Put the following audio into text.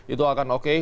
itu akan oke